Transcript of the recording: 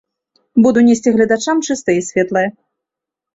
Буду несці гледачам чыстае і светлае.